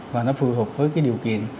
và nó phù hợp với điều kiện